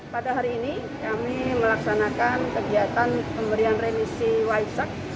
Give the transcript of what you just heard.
pada hari ini kami melaksanakan kegiatan pemberian remisi waisak